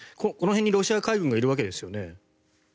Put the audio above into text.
この辺にロシア海軍がいるわけですよね。